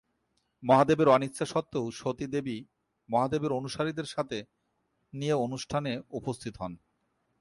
মহাদেবের অনিচ্ছা সত্ত্বেও সতী দেবী মহাদেবের অনুসারীদের সাথে নিয়ে অনুষ্ঠানে উপস্থিত হন।